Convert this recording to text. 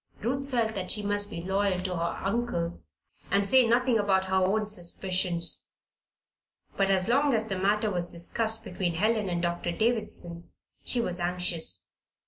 Ruth felt that she must be loyal to her uncle and say nothing about her own suspicions; but as long as the matter was discussed between Helen and Doctor Davison she was anxious.